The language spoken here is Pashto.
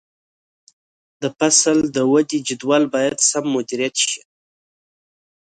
د فصل د ودې جدول باید سم مدیریت شي.